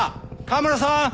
川村さん！